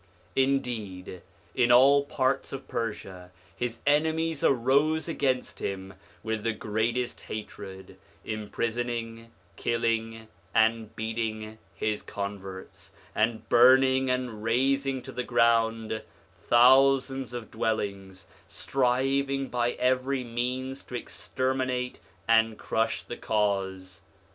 Indeed, in all parts of Persia his enemies arose against him with the greatest hatred, imprisoning, killing, and beating his converts; and burning and razing to the ground thousands of dwellings, striving by every means to exterminate and crush the Cause.